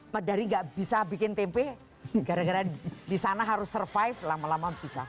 padahal gak bisa bikin tempe gara gara disana harus survive lama lama bisa